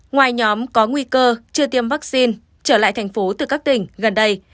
ngoài nhóm có nguy cơ chưa tiêm vaccine trở lại thành phố từ các tỉnh gần đây